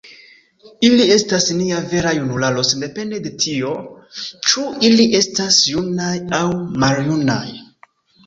“Ili estas nia vera junularo sendepende de tio, ĉu ili estas junaj aŭ maljunaj.